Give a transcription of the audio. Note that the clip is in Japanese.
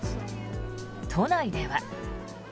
都内では。